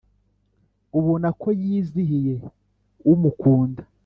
ubona ko yizihiye umukunda